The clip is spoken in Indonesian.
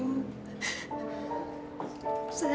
saya kepikiran ibu